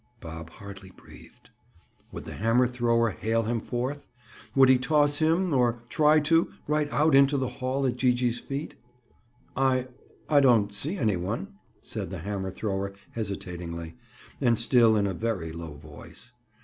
Bob hardly breathed. Would the hammer thrower hale him forth? Would he toss him—or try to—right out into the hall at Gee gee's feet? "I—I don't see any one," said the hammer thrower hesitatingly, and still in a very low tone.